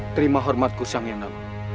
terima hormatku siang yandama